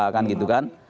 kan gitu kan